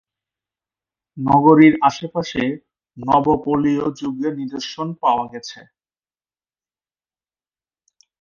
নগরীর আশেপাশে নবোপলীয় যুগের নিদর্শন পাওয়া গেছে।